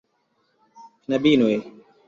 Knabinoj!